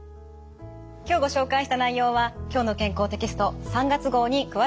今日ご紹介した内容は「きょうの健康」テキスト３月号に詳しく掲載されています。